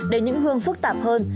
đến những hương phức tạp hơn